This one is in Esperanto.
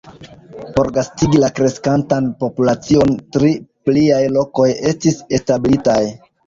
Por gastigi la kreskantan populacion tri pliaj lokoj estis establitaj.